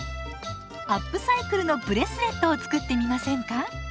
アップサイクルのブレスレットを作ってみませんか？